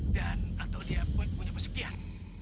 dan atau dia punya pesekian